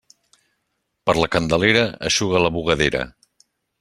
Per la Candelera, eixuga la bugadera.